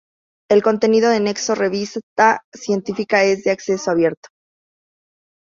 El contenido de Nexo Revista Científica es de acceso abierto.